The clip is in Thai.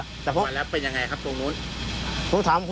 แต่พอมาแล้วเป็นยังไงครับตรงนู้น